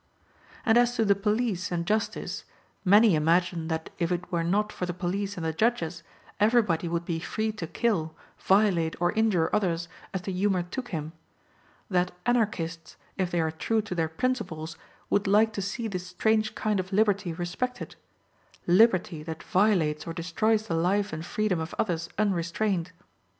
And as to the police and justice, many imagine that if it were not for the police and the judges, everybody would be free to kill, violate or injure others as the humor took him; that Anarchists, if they are true to their principles, would like to see this strange kind of liberty respected; "liberty" that violates or destroys the life and freedom of others unrestrained.